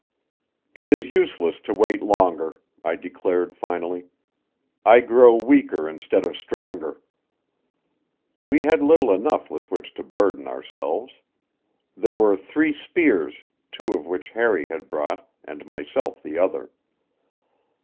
"It is useless to wait longer," I declared finally. "I grow weaker instead of stronger." We had little enough with which to burden ourselves. There were three spears, two of which Harry had brought, and myself the other.